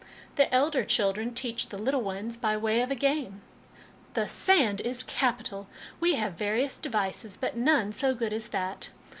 The elder children teach the little ones by way of a game." " The sand is capital ! We have various devices, but none so good as that.